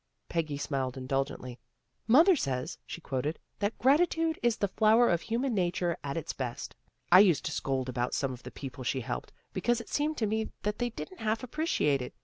" Peggy smiled indulgently. " Mother says," she quoted, " that ' gratitude is the flower of human nature at its best.' I used to scold about some of the people she helped, because it seemed to me that they didn't half appreciate it.